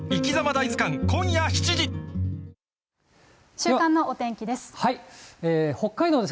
週間のお天気です。